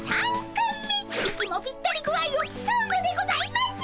息もぴったり具合をきそうのでございます！